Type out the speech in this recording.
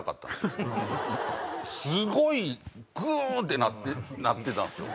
すごいグンってなってたんすよ。